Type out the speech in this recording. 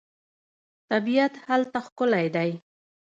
طبیعت هلته ښکلی دی.